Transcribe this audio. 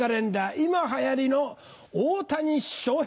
今流行りの大谷翔平